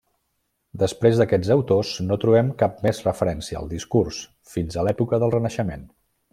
Després d'aquests autors no trobem cap més referència al discurs fins a l'època del Renaixement.